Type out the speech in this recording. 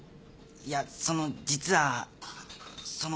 いやその実はその盲腸。